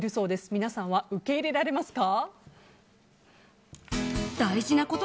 皆さんは受け入れられますか？